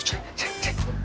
ngapain itu ceng ceng